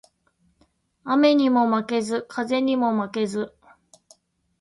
雨ニモ負ケズ、風ニモ負ケズ